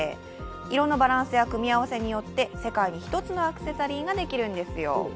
色のバランスや組み合わせによって、世界に一つのアクセサリーができるんですよ。